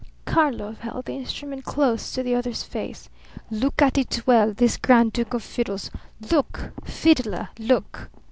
Karlov held the instrument close to the other's face. "Look at it well, this grand duke of fiddles. Look, fiddler, look!"